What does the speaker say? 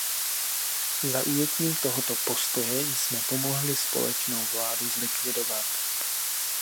Zaujetím tohoto postoje jsme pomohli společnou vládu zlikvidovat.